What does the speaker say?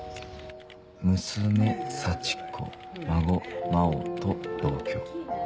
娘・幸子孫・真緒と同居。